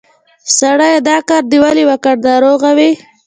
سړیه! دا کار دې ولې وکړ؟ ناروغ وې؟